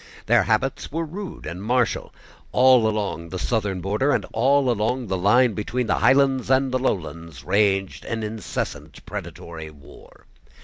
Their habits were rude and martial. All along the southern border, and all along the line between the highlands and the lowlands, raged an incessant predatory war.